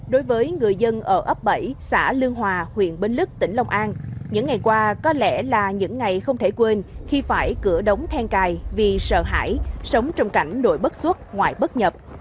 đối với người dân ở ấp bảy xã lương hòa huyện bến lức tỉnh long an những ngày qua có lẽ là những ngày không thể quên khi phải cửa đóng then cài vì sợ hãi sống trong cảnh đội bất xuất ngoại bất nhập